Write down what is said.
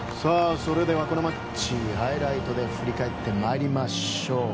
それでは、このマッチハイライトで振り返ってまいりましょう。